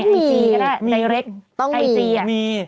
ต้องมีต้องมีมี